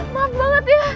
maaf banget ya